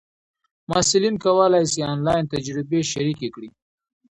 محصلین کولای سي آنلاین تجربې شریکې کړي.